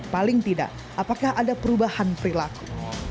paling tidak apakah ada perubahan perilaku